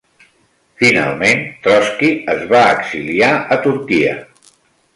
Finalment Trotski es va exiliar a Turquia.